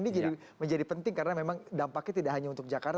ini menjadi penting karena memang dampaknya tidak hanya untuk jakarta